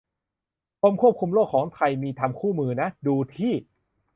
กรมควบคุมโรคของไทย มีทำคู่มือนะ ดูที่